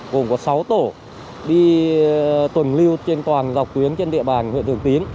gồm có sáu tổ đi tuần lưu trên toàn dọc tuyến trên địa bàn huyện thường tín